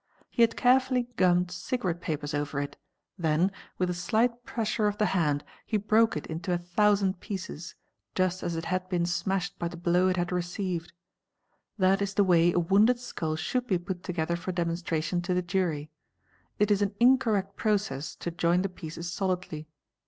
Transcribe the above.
He had carefully gammed cigarette papers over it, then, with a slight pressure _ of the hand, he broke it into a thousand pieces, just as it had been smashed by the blow it had received: that is the way a wounded skull : should be put together for demonstration to the jury; it is an incorrect _ process to join the pieces solidly.